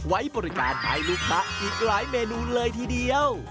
ไว้บริการให้ลูกค้าอีกหลายเมนูเลยทีเดียว